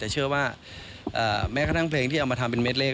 แต่เชื่อว่าแม้กระทั่งเพลงที่เอามาทำเป็นเม็ดเลข